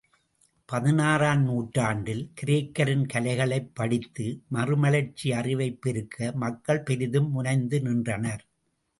பதினாறாம் நூற்றாண்டில் கிரேக்கரின் கலைகளைப் படித்து மறுமலர்ச்சி அறிவைப் பெருக்க மக்கள் பெரிதும் முனைந்து நின்றனர்.